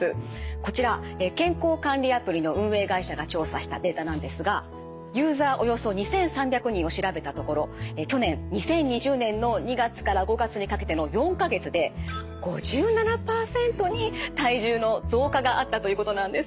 こちら健康管理アプリの運営会社が調査したデータなんですがユーザーおよそ２，３００人を調べたところ去年２０２０年の２月から５月にかけての４か月で５７％に体重の増加があったということなんです。